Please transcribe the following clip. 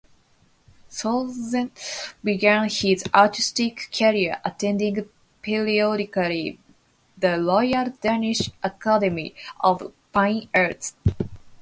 Thorsen began his artistic career attending periodically the Royal Danish Academy of Fine Arts.